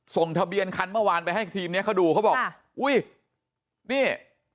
ส่งทะเบียนคันเมื่อวานไปให้ทีมเนี้ยเขาดูเขาบอกอุ้ยนี่